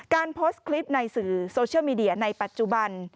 โพสต์คลิปในสื่อโซเชียลมีเดียในปัจจุบัน